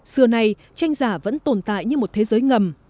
xưa nay tranh giả vẫn tồn tại như một thế giới ngầm